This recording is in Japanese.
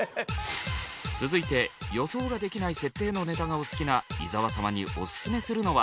続いて予想が出来ない設定のネタがお好きな伊沢様にオススメするのは。